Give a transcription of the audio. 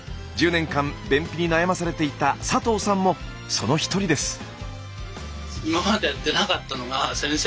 １０年間便秘に悩まされていた佐藤さんもその一人です。